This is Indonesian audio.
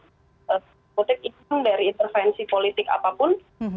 terpotek imun dari intervensi politik apapun